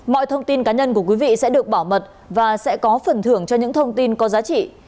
mọi thông tin cá nhân của quý vị sẽ được bảo mật và sẽ có phần thưởng cho những thông tin có giá trị